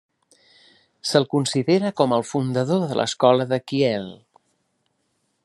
Se'l considera com el fundador de l'escola de Kiel.